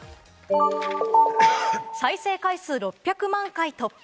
再生回数６００万回突破。